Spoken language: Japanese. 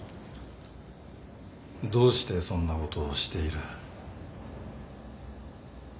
どうしてそんなことをしている？